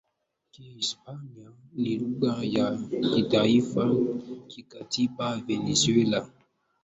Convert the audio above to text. Kihispania ni lugha ya kitaifa Kikatiba Venezuela